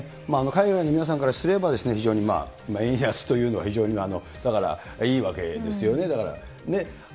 海外の皆さんからすれば、非常に円安というのは非常にだから、いいわけですよね、だから。